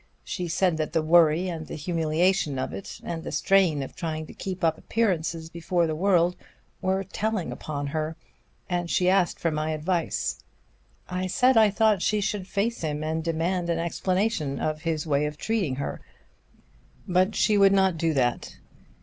She said that the worry and the humiliation of it, and the strain of trying to keep up appearances before the world, were telling upon her, and she asked for my advice. I said I thought she should face him and demand an explanation of his way of treating her. But she would not do that.